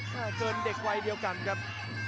เกินเด็กวัยเดียวกันครับ